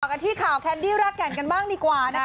กันที่ข่าวแคนดี้รากแก่นกันบ้างดีกว่านะคะ